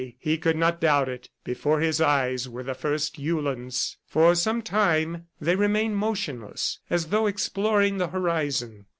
He could not doubt it: before his eyes were the first Uhlans! For some time they remained motionless, as though exploring the horizon.